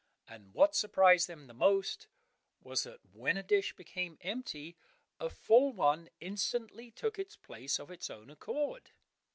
And what surprised them the most was that when a dish became empty, a full one instantly took its place of its own accord.